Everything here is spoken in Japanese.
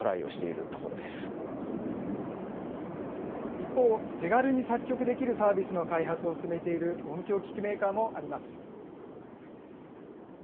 一方、手軽に作曲できるサービスの開発を進めている音響機器メーカーもあります。